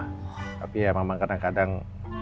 tapi ya memang kadang kadang